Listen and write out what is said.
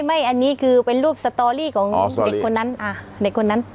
ไม่อันนี้คือเป็นรูปสตอรี่ของเด็กคนนั้น